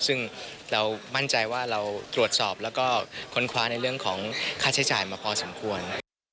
ซึ่งเรามั่นใจว่าเราตรวจสอบแล้วก็ค้นคว้าในเรื่องของค่าใช้จ่ายมาพอสมควร